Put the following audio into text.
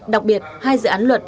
đặc biệt hai dự án luật